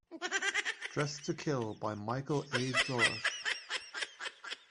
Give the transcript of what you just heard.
Dressed to Kill by Michael A. Dorosh.